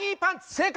正解。